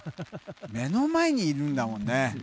目の前にいるんだもんね。